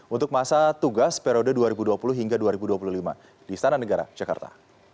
untuk masa tugas periode dua ribu dua puluh hingga dua ribu dua puluh lima di istana negara jakarta